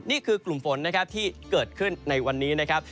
นี่คือกลุ่มฝนนะครับที่เกิดขึ้นในวันนี้นะครับ